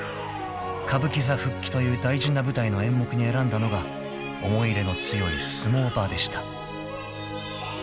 ［歌舞伎座復帰という大事な舞台の演目に選んだのが思い入れの強い「角力場」でした］